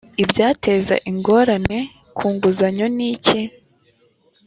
ibyateza ingorane ku nguzanyo ni ki